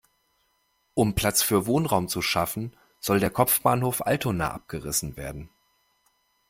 Um Platz für Wohnraum zu schaffen, soll der Kopfbahnhof Altona abgerissen werden.